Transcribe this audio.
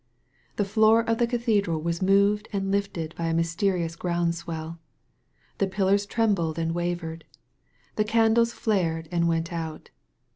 The floor of the cathedral was moved and lifted by a mysterious ground swell. The pillars trembled and wavered. The candles flared and went out.